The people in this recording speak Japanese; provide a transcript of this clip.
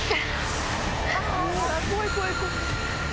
怖い怖い怖い。